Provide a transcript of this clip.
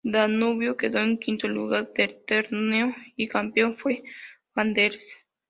Danubio quedó en quinto lugar del torneo, el campeón fue Wanderers.